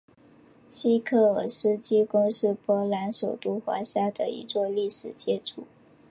西科尔斯基宫是波兰首都华沙的一座历史建筑。